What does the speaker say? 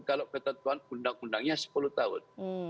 kalau kata tuan undang undangnya sepuluh tahun